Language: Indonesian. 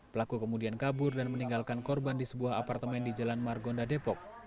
pelaku kemudian kabur dan meninggalkan korban di sebuah apartemen di jalan margonda depok